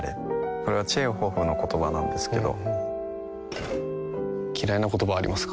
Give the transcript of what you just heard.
これはチェーホフの言葉なんですけど嫌いな言葉はありますか？